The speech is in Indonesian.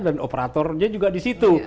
dan operatornya juga disitu